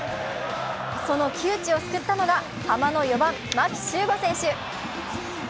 その窮地を救ったのがハマの４番・牧秀悟選手。